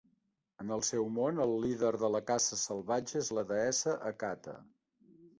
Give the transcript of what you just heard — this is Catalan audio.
En el seu món, el líder de la Caça Salvatge és la deessa Hecate.